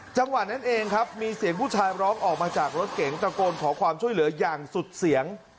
จังหวะนั้นเองครับมีเสียงผู้ชายร้องออกมาจากรถเก๋งตะโกนขอความช่วยเหลืออย่างสุดเสียง